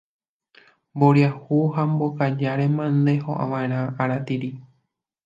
Mboriahu ha mbokajáre mante ho'áva aratiri